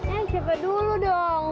eh siapa dulu dong